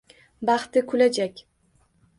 Baxti kulajak.